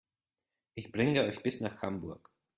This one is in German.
Ich bringe euch bis nach Hamburg